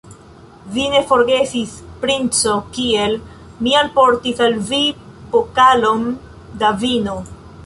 Vi ne forgesis, princo, kiel mi alportis al vi pokalon da vino.